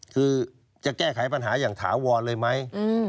คือจะแก้ไขปัญหาอย่างถาวรเลยไหม